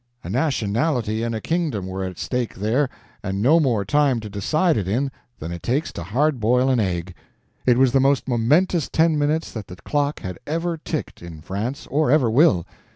A nationality and a kingdom were at stake there, and no more time to decide it in than it takes to hard boil an egg. It was the most momentous ten minutes that the clock has ever ticked in France, or ever will.